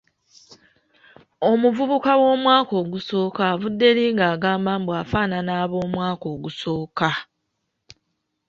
Omuvubuka w’omwaka ogusooka avudde eri nga agamba mbu nfaanana ab’omwaka ogusooka!